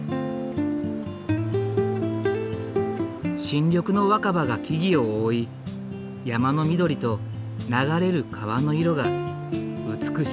新緑の若葉が木々を覆い山の緑と流れる川の色が美しい山里の風景を描き出す。